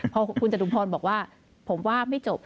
พอคุณจตุพรบอกว่าผมว่าไม่จบ